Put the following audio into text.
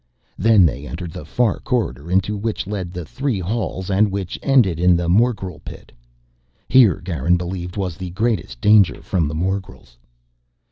Then they entered the far corridor into which led the three halls and which ended in the morgel pit. Here, Garin believed, was the greatest danger from the morgels.